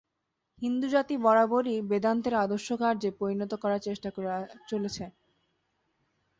হিন্দুজাতি বরাবরই বেদান্তের আদর্শ কার্যে পরিণত করার চেষ্টা করে চলেছে।